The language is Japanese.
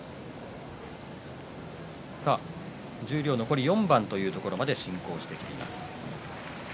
十両残り４番というところまで進行してきています。